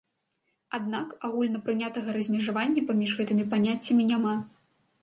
Аднак, агульнапрынятага размежавання паміж гэтымі паняццямі няма.